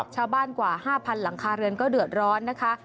กว่า๕๐๐หลังคาเรือนก็เดือดร้อนนะคะ